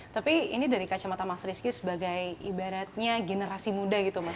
tapi ini dari kacamata mas rizky sebagai ibaratnya generasi muda gitu mas